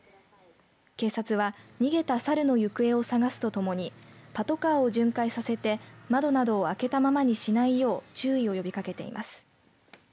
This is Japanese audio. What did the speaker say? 警察は逃げたサルの行方を探すとともにパトカーを巡回させて窓などを開けたままにしないよう注意を呼びかけています。